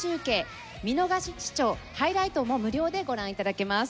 見逃し視聴ハイライトも無料でご覧頂けます。